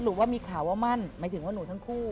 หรือว่ามีข่าวว่ามั่นหมายถึงว่าหนูทั้งคู่